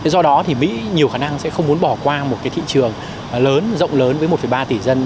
do đó thì mỹ nhiều khả năng sẽ không muốn bỏ qua một thị trường lớn rộng lớn với một ba tỷ dân